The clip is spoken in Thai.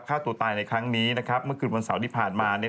ฆ่าตัวตายในครั้งนี้นะครับเมื่อคืนวันเสาร์ที่ผ่านมาเนี่ย